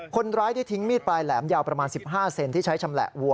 คนร้ายได้ทิ้งมีดปลายแหลมยาวประมาณ๑๕เซนที่ใช้ชำแหละวัว